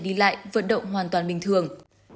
đi lại vận động hoàn toàn bình thường